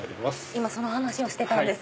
今その話をしてたんです。